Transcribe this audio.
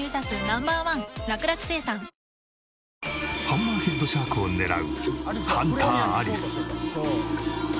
ハンマーヘッドシャークを狙うハンターアリス。